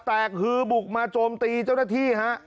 ฮือบุกมาโจมตีเจ้าหน้าที่ฮะ